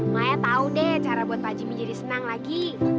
maya tahu deh cara buat pak jimmy jadi senang lagi